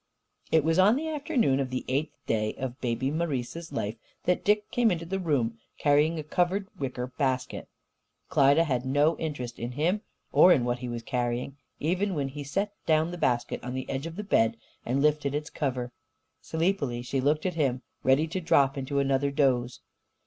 It was on the afternoon of the eighth day of Baby Marise's life that Dick came into the room carrying a covered wicker basket. Klyda had no interest in him or in what he was carrying even when he set down the basket on the edge of the bed and lifted its cover. Sleepily she looked at him, ready to drop into another doze.